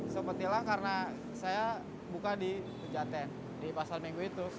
sempat hilang karena saya buka di pejaten di pasar minggu itu